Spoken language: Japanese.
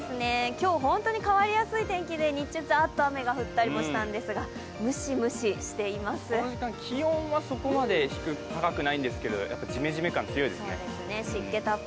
今日本当に変わりやすい天気で日中ザーッと雨も降ったりしたんですが、この時間、気温はそこまで高くないんですけどジメジメ感、強いですね。